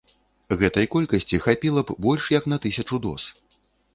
Гэтай колькасці хапіла б больш як на тысячу доз.